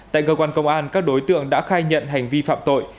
tại cơ quan công an các đối tượng đã khai nhận hành vi phạm tội